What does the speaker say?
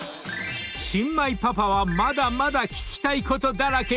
［新米パパはまだまだ聞きたいことだらけ］